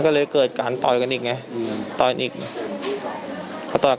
มันก็เลยเกิดการต่อยกันอีกไงต่อยอีกต่อยอีกต่อยอีก